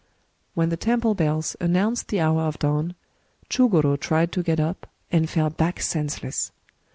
When the temple bells announced the hour of dawn, ChugorS tried to get up, and fell back senseless.